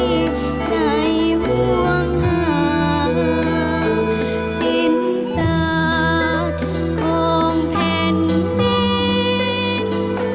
สินสัตว์ของแผ่นดินสินสัตว์ของแผ่นดิน